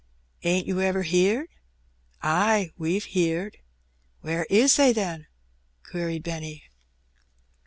"Ain't you ever heerd?" "Ay, we've heerd." "Where is they, then?" queried Benny.